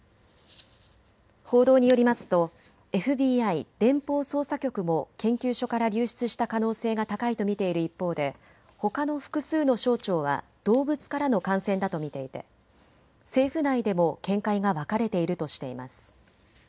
報道によりますとＦＢＩ・連邦捜査局も研究所から流出した可能性が高いと見ている一方でほかの複数の省庁は動物からの感染だと見ていて政府内でも見解が分かれているとしています。